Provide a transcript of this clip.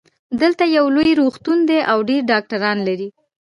دلته یو لوی روغتون ده او ډېر ډاکټران لری